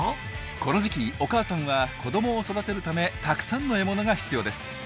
この時期お母さんは子どもを育てるためたくさんの獲物が必要です。